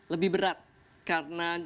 lebih berat karena